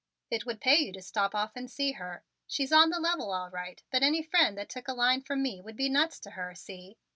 It would pay you to stop off and see her. She's on the level all right, but any friend that took a line from me would be nuts to her. See?"